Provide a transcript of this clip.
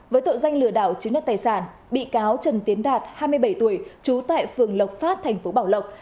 với tội danh lừa đảo chứng đất tài sản bị cáo trần tiến đạt hai mươi bảy tuổi trú tại phường lộc phát tp bảo lộc